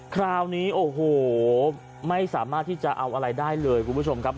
คราวนี้โอ้โหไม่สามารถที่จะเอาอะไรได้เลยคุณผู้ชมครับ